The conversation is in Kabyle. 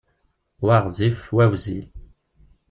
Wa ɣezzif, wa wezzil.